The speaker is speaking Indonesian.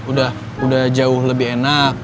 udah jauh lebih enak